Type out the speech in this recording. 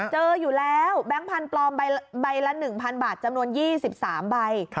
เจออยู่แล้วแบงค์พันธุ์ปลอมใบละ๑๐๐บาทจำนวน๒๓ใบ